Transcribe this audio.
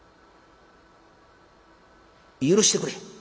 「許してくれ」。